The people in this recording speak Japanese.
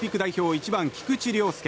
１番、菊池涼介。